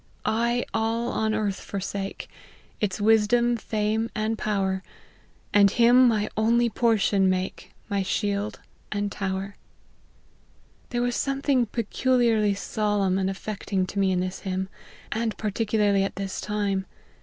* I all on earth forsake, Its wisdom, fame, and power; And him my only portion make, IVJy shield and tower.' " There was something peculiarly solemn and affecting to me in this hymn, and particularly at this time.